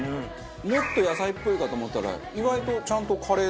もっと野菜っぽいかと思ったら意外とちゃんとカレーだし。